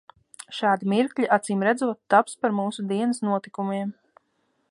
Šādi mirkļi acīmredzot taps par mūsu dienas notikumiem.